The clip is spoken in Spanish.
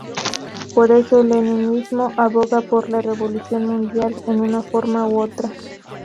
Por eso, el Leninismo aboga por la revolución mundial en una forma u otra.